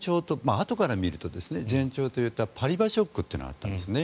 あとから見ると前兆といったパリバ・ショックというのがあったんですね。